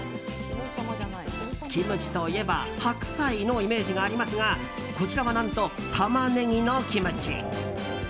キムチといえば白菜のイメージがありますがこちらは何とタマネギのキムチ。